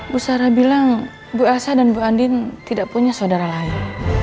bu sarah bilang bu elsa dan bu andin tidak punya saudara lain